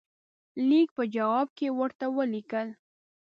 لیک په جواب کې ورته ولیکل.